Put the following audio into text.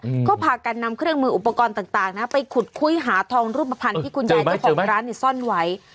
อืมก็พากันนำเครื่องมืออุปกรณ์ต่างต่างนะไปขุดคุยหาทองรูปภัณฑ์ที่คุณยายเจ้าของร้านเนี้ยซ่อนไว้